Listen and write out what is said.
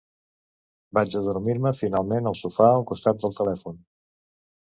Vaig adormir-me, finalment, al sofà, al costat del telèfon.